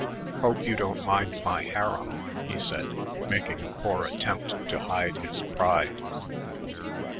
"Hope you don't mind my harem," he said, making a poor attempt to hide his pride.